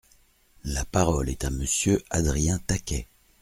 La parole est à Monsieur Adrien Taquet.